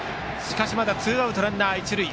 まだツーアウトランナー、一塁。